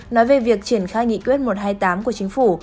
nói về việc triển khai nghị quyết một trăm hai mươi tám của chính phủ